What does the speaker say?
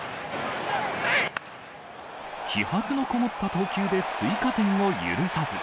気迫のこもった投球で追加点を許さず。